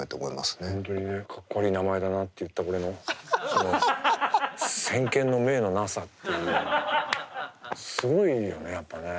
本当にねかっこ悪い名前だなって言った俺のその先見の明のなさっていうすごいよねやっぱね。